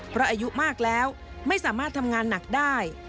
เพราะอายุมากแล้วไม่สามารถทำงานหนักได้